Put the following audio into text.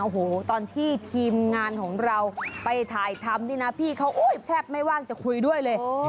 โอ้โหตอนที่ทีมงานของเราไปถ่ายทำนี่นะพี่เขาแทบไม่ว่างจะคุยด้วยเลย